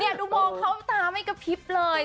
ดูมองเขาตาไม่กระพริบเลย